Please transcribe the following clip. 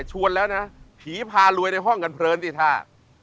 ชวนแล้วนะผีพารวยในห้องกันเพลินที่ท่า